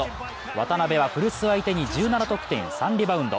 渡邊は古巣相手に１７得点３リバウンド。